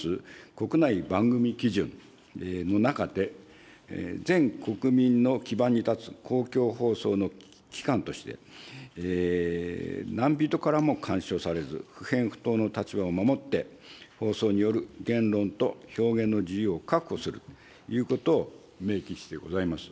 国内番組基準の中で、全国民の基盤に立つ公共放送の機関として、何人からも干渉されず、不偏不党の立場を守って、放送による言論と表現の自由を確保するということを明記してございます。